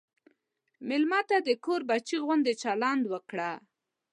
مېلمه ته د کور بچی غوندې چلند وکړه.